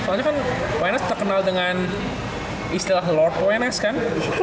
soalnya kan wenas terkenal dengan istilah lord wenas kan